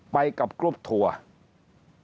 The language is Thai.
ไปกับกรุ๊ปทัวร์